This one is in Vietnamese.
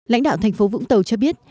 lãnh đạo thành phố vũng tàu cho biết